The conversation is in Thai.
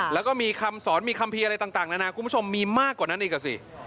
แล้วก็มีคำสอนมีคัมภีร์อะไรต่างนานาคุณผู้ชมมีมากกว่านั้นอีกอ่ะสิ